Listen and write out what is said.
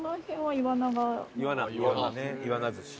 イワナ寿司。